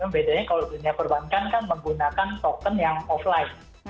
bedanya kalau dunia perbankan kan menggunakan token yang offline